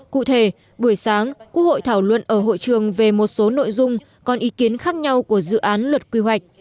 cụ thể buổi sáng quốc hội thảo luận ở hội trường về một số nội dung còn ý kiến khác nhau của dự án luật quy hoạch